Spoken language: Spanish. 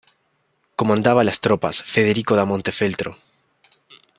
Comandaba las tropas Federico da Montefeltro.